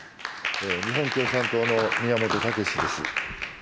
日本共産党の宮本岳志です。